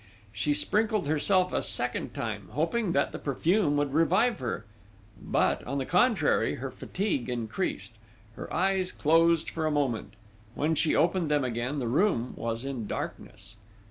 She sprinkled herself a second time, hoping that the perfume would revive her; but, on the contrary, her fatigue increased: her eyes closed for a moment.... When she opened them again the room was in darkness.